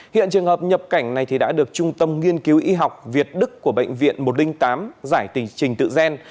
hiện trường hợp nhập cảnh này đã được trung tâm nghiên cứu y học việt đức của bệnh viện một trăm linh tám giải tình trình tự gen